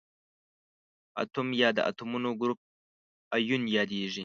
اتوم یا د اتومونو ګروپ ایون یادیږي.